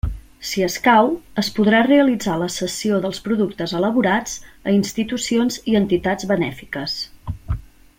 Si escau, es podrà realitzar la cessió dels productes elaborats a institucions i entitats benèfiques.